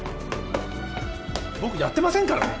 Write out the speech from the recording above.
僕やってませんからね。